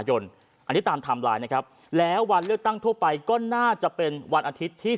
อันนี้ตามไทม์ไลน์นะครับแล้ววันเลือกตั้งทั่วไปก็น่าจะเป็นวันอาทิตย์ที่